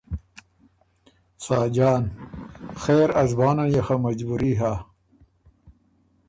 ساجان ـــ”خېر ا زبانن يې خه مجبوري هۀ،